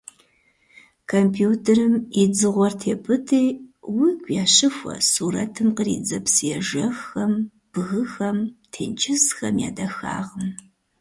Компьютерым и «дзыгъуэр» тепӀытӀи, уигу ящыхуэ сурэтым къридзэ псыежэххэм, бгыхэм, тенджызхэм я дахагъым.